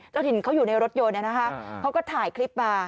เจ้าถิ่นเขาอยู่ในรถยนต์เขาก็ถ่ายคลิปมา